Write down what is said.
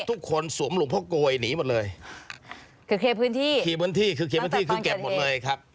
ทุกคนสวมหลุมพวกกลวยหนีหมดเลย